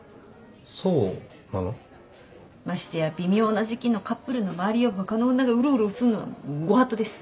そうなの？ましてや微妙な時期のカップルの周りを他の女がうろうろすんのはご法度です。